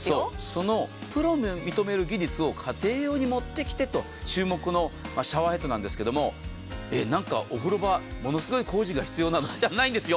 そのプロが認める技術を家庭用に持ってきてという注目のシャワーヘッドなんですがお風呂場ものすごい工事が必要じゃないんです。